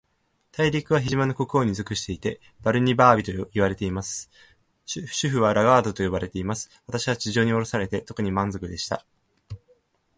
大陸は、飛島の国王に属していて、バルニバービといわれています。首府はラガードと呼ばれています。私は地上におろされて、とにかく満足でした。